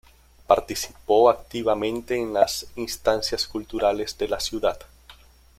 Participó activamente en las instancias culturales de la ciudad.